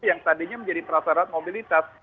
yang tadinya menjadi prasarat mobilitas